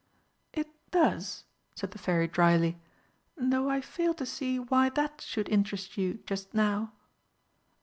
"It does," said the Fairy drily, "though I fail to see why that should interest you just now."